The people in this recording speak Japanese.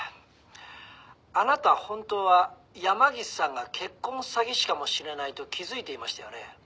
「あなた本当は山岸さんが結婚詐欺師かもしれないと気づいていましたよね？」